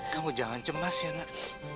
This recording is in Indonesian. kamu jangan cemas ya nak